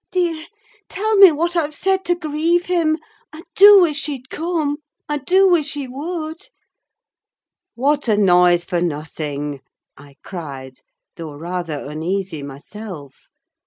Dear! tell me what I've said to grieve him? I do wish he'd come. I do wish he would!" "What a noise for nothing!" I cried, though rather uneasy myself.